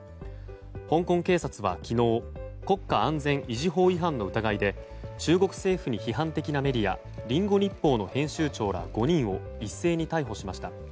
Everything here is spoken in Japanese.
香港警察は昨日国家安全維持法違反の疑いで中国政府に批判的なメディアリンゴ日報の編集長ら５人を一斉に逮捕しました。